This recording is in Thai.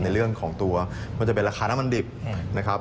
ในเรื่องของตัวมันจะเป็นราคาน้ำมันดิบนะครับ